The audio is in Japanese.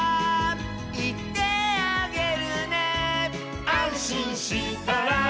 「いってあげるね」「あんしんしたら」